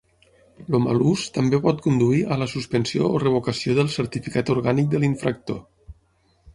El mal ús també pot conduir a la suspensió o revocació del certificat orgànic de l'infractor.